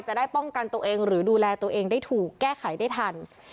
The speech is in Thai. จะได้ป้องกันตัวเองหรือดูแลตัวเองได้ถูกแก้ไขได้ทัน